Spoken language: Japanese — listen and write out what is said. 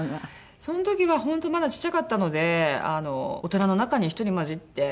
その時は本当まだちっちゃかったので大人の中に１人交じって。